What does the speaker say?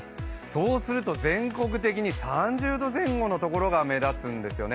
そうすると全国的に３０度前後のところが目立つんですよね。